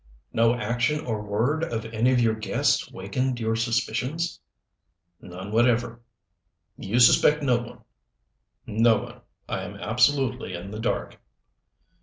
"No action or word of any of your guests wakened your suspicions?" "None whatever." "You suspect no one?" "No one. I am absolutely in the dark."